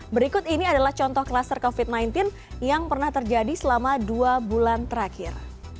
berikut ini adalah contoh kluster covid sembilan belas yang pernah terjadi selama dua bulan terakhir